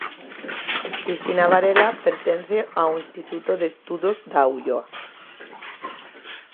Cristina Varela pertence ao Instituto de Estudos da Ulloa.